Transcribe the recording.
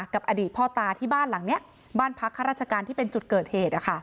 กับอดีตพ่อตาที่บ้านหลังนี้บ้านพักข้าราชการที่เป็นจุดเกิดเหตุ